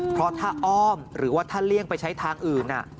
เพราะถ้าอ้อมหรือว่าถ้าเลี่ยงไปใช้ทางอื่น